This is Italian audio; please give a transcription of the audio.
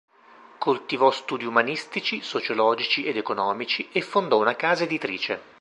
Coltivò studi umanistici, sociologici ed economici e fondò una casa editrice.